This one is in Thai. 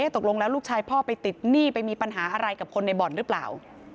ตกลงแล้วลูกชายพ่อไปติดหนี้ไปมีปัญหาอะไรกับคนในบ่อนหรือเปล่า